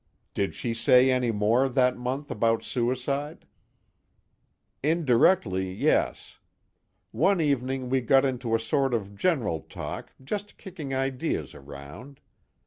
"Did she say any more, that month, about suicide?" "Indirectly, yes. One evening we got into a sort of general talk, just kicking ideas around.